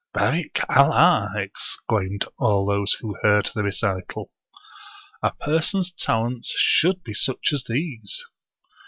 " Barik Allah !" exclaimed all those who heard the recital; " b, person^s talents should be such as these."